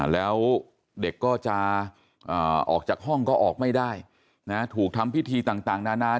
แล้วเด็กก็จะออกจากห้องก็ออกไม่ได้ถูกทำพิธีต่างนานา